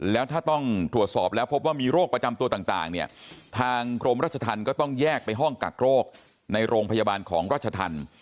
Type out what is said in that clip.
แล้วถ้าต้องตรวจสอบแล้วพบว่ามีโรคประจำตัวต่างเนี่ยทางกรมราชธรรมก็ต้องแยกไปห้องกักโรคในโรงพยาบาลของราชธรรม